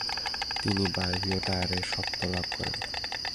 তিনি বায়বীয় টায়ারের স্বত্ব লাভ করেন।